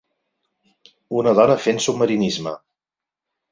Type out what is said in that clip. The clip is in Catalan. Una dona fent submarinisme